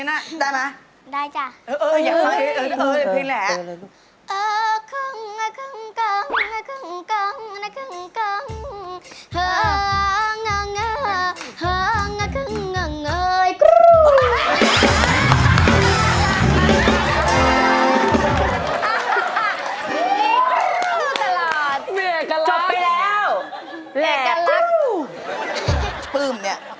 โฮลาเลโฮลาเลโฮลาเลโฮลาเล